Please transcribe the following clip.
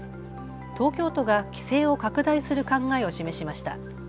東京都が規制を拡大する考えを示しました。